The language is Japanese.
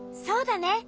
そうだね。